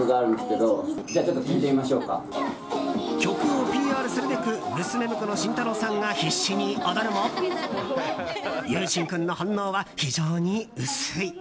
曲をＰＲするべく娘婿の慎太郎さんが必死に踊るも由真君の反応は非常に薄い。